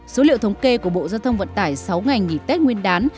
số liệu thống kê của bộ giao thông vận tải sáu ngày nghỉ tết nguyên đán